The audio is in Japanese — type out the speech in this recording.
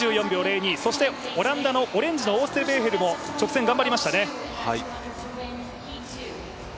オランダのオレンジのオーステルベーヘルも直線頑張りましたね。